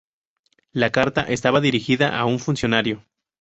La carta estaba dirigida a un funcionario.